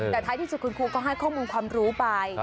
แต่ท้ายที่สุดคุณครูก็ให้ข้อมูลความรู้ไป